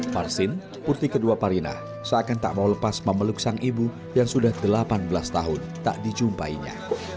marsin purti kedua parinah seakan tak mau lepas memeluk sang ibu yang sudah delapan belas tahun tak dijumpainya